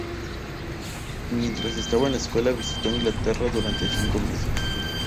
Mientras estaba en la escuela visitó Inglaterra durante cinco meses.